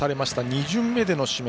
２巡目での指名。